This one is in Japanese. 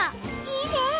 いいね！